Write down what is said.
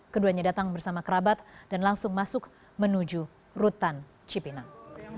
keduanya datang bersama kerabat dan langsung masuk menuju rutan cipinang